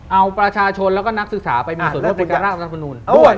เอาประชาชนและนักศึกษาไปเป็นส่วนลูกในการล่างอนุญาต